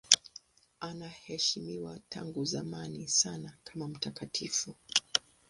Anaheshimiwa tangu zamani sana kama mtakatifu.